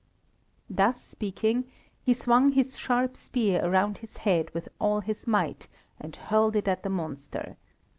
Thus speaking, he swung his sharp spear around his head with all his might, and hurled it at the monster.